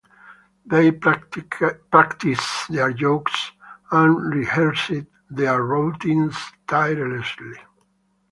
They practiced their jokes and rehearsed their routines tirelessly.